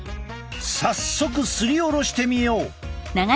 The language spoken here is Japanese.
早速すりおろしてみよう！